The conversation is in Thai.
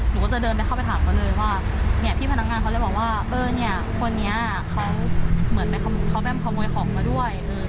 หนูก็จะเดินไปเข้าไปถามกันเลยว่าพี่พนักงานเขาเลยบอกว่าเออเนี่ยคนนี้เขาแบ้มขโมยของกันด้วย